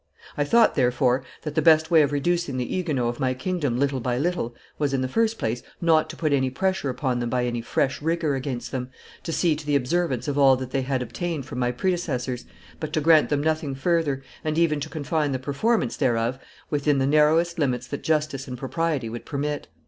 I thought, therefore, that the best way of reducing the Huguenots of my kingdom little by little, was, in the first place, not to put any pressure upon them by any fresh rigor against them, to see to the observance of all that they had obtained from my predecessors, but to grant them nothing further, and even to confine the performance thereof within the narrowest limits that justice and propriety would permit.